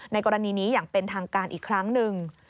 กรณีนี้อย่างเป็นทางการอีกครั้งหนึ่ง